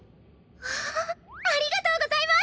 わあありがとうございます！